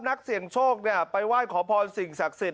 นักเสี่ยงโชคไปไหว้ขอพรสิ่งศักดิ์สิทธิ